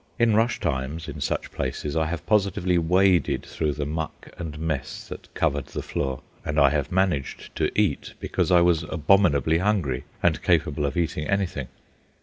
In rush times, in such places, I have positively waded through the muck and mess that covered the floor, and I have managed to eat because I was abominably hungry and capable of eating anything.